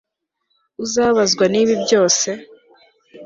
Uzababazwa nibi byose